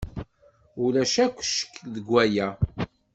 Ulac akk ccek deg waya.